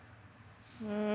うん。